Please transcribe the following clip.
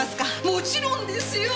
もちろんですよ。